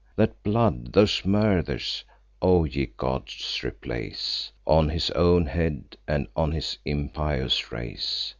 That blood, those murders, O ye gods, replace On his own head, and on his impious race!